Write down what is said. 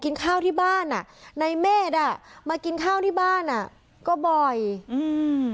กินข้าวที่บ้านอ่ะในเมฆอ่ะมากินข้าวที่บ้านอ่ะก็บ่อยอืม